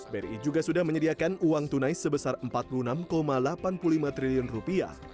bri juga sudah menyediakan uang tunai sebesar empat puluh enam delapan puluh lima triliun rupiah